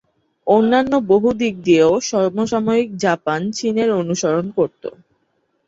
অন্যান্য বহু দিক দিয়েও সমসাময়িক জাপান চীনের অনুসরণ করত।